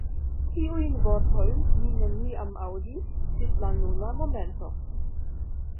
Tiujn vortojn mi neniam aŭdis ĝis la nuna momento.